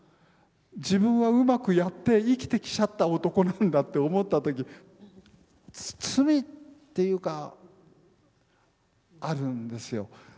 自分はうまくやって生きてきちゃった男なんだって思った時罪っていうかあるんですよ。